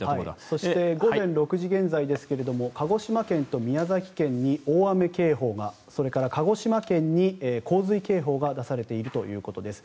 そして午前６時現在ですが鹿児島県と宮崎県に大雨警報がそれから鹿児島県に洪水警報が出されているということです。